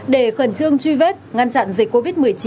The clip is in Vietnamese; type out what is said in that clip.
để khẩn trương truy vết ngăn chặn dịch covid một mươi chín